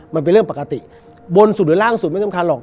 มันเป็นเรื่องปกติบนสุดหรือล่างสุดไม่สำคัญหรอก